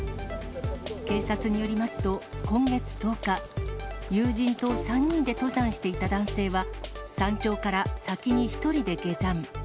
警察によりますと、今月１０日、友人と３人で登山していた男性は、山頂から先に１人で下山。